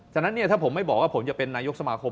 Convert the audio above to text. ฉะนั้นถ้าผมไม่บอกว่าผมจะเป็นนายกสมาคม